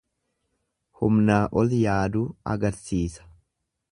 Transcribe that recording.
Humnaa ol yaaduu agarsiisa.